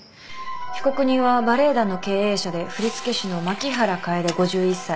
被告人はバレエ団の経営者で振付師の槇原楓５１歳。